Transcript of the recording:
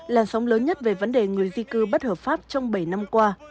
làn sóng lớn nhất về vấn đề người di cư bất hợp pháp trong bảy năm qua